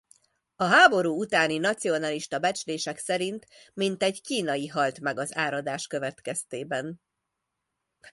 A háború utáni nacionalista becslések szerint mintegy kínai halt meg az áradás következtében.